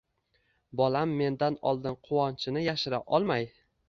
Bolam mendan oldin quvonchini yashira olmay